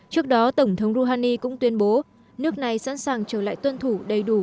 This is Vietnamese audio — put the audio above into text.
trước đó tổng thống rouhani cũng tuyên bố nước này sẵn sàng trở lại tuân thủ đầy đủ